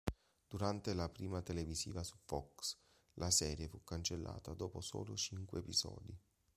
Durante la prima televisiva su Fox la serie fu cancellata dopo soli cinque episodi.